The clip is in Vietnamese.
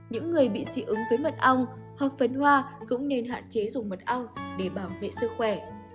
những người bị dị ứng với mật ong hoặc phần hoa cũng nên hạn chế dùng mật ong để bảo vệ sức khỏe